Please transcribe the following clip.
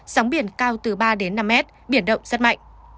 sóng biển cao từ ba đến năm mét biển động rất mạnh